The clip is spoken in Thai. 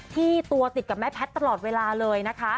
ที่ตัวติดกับแม่แพทย์ตลอดเวลาเลยนะคะ